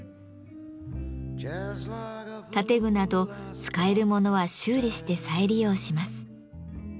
建具など使えるものは修理して再利用します。